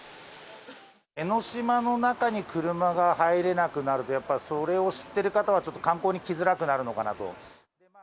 江の島の中に車が入れなくなると、やっぱりそれを知ってる方は、ちょっと観光に来づらくなるのかなと。